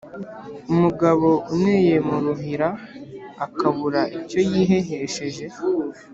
Umugabo uneye mu ruhira akabura icyo yihehesheje